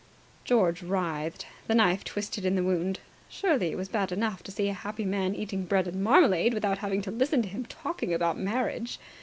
George writhed. The knife twisted in the wound. Surely it was bad enough to see a happy man eating bread and marmalade without having to listen to him talking about marriage.